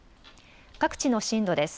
各地の震度です。